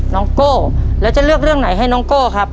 โก้แล้วจะเลือกเรื่องไหนให้น้องโก้ครับ